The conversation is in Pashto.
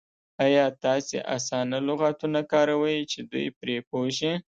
ایا تاسې اسانه لغتونه کاروئ چې دوی پرې پوه شي؟